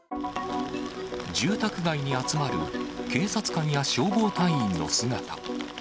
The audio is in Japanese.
住宅街に集まる警察官や消防隊員の姿。